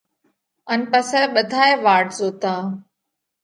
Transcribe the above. ان پسئہ ٻڌائي واٽ زوتا۔